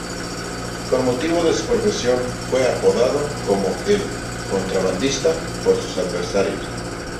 Con motivo de su profesión fue apodado como "el contrabandista" por sus adversarios.